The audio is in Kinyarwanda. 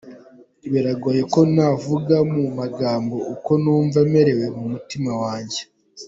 "Biragoye ko navuga mu magambo uko numva merewe mu mutima wanjye.